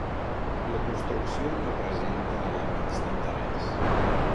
La construcció no presenta elements d'interès.